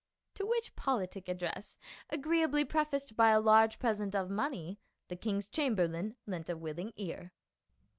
To which politic address, agree ably prefaced by a large present of money, the king's chamberlain lent a willing ear.